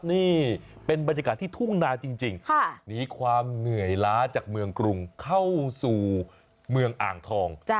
นี่เป็นบรรยากาศที่ทุ่งนาจริงหนีความเหนื่อยล้าจากเมืองกรุงเข้าสู่เมืองอ่างทอง